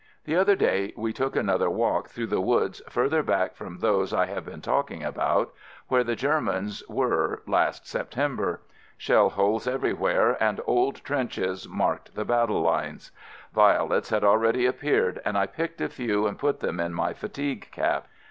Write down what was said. The other day, we took another walk through the woods further back from those I have been talking about, where the Germans were last September. Shell holes everywhere, and old trenches 148 AMERICAN AMBULANCE marked the battle lines. Violets had al ready appeared and I picked a few and put them in my fatigue cap.